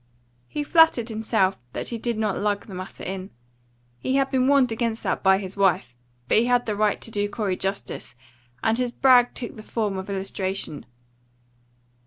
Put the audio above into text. He flattered himself that he did not lug the matter in. He had been warned against that by his wife, but he had the right to do Corey justice, and his brag took the form of illustration.